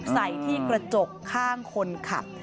ใส่ที่กระจกข้างคนขับ